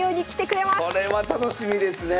これは楽しみですね！